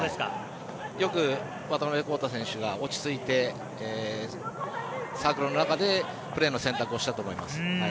よく渡辺晃大選手が落ち着いてサークルの中でプレーの選択をしたと思います。